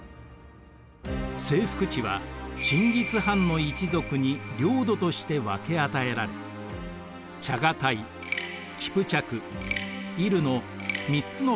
征服地はチンギス・ハンの一族に領土として分け与えられチャガタイキプチャクイルの３つのハン国ウルスが成立しました。